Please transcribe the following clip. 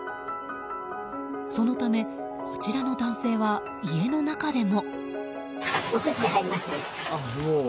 そのため、こちらの男性は家の中でも。